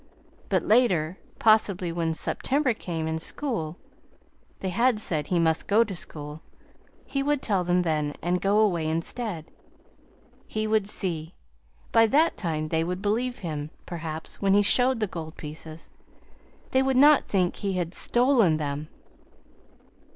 But later, possibly when September came and school, they had said he must go to school, he would tell them then, and go away instead. He would see. By that time they would believe him, perhaps, when he showed the gold pieces. They would not think he had STOLEN them.